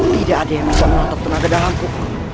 tidak ada yang bisa menutup tenaga dalamku